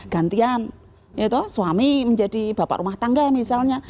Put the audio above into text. gantian suami menjadi bapak rumah tangga misalnya